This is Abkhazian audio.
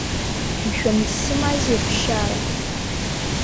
Мшәан, изсымамзеи аԥсшьара?